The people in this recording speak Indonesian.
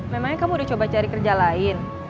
memangnya kamu udah coba cari kerja lain